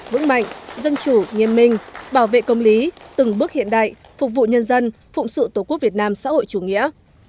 vững mạnh dân chủ nghiêm minh bảo vệ công lý từng bước hiện đại phục vụ nhân dân phụng sự tổ quốc việt nam xã hội chủ nghĩa